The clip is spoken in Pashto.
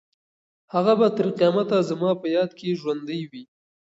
هغه به تر قیامته زما په یاد کې ژوندۍ وي.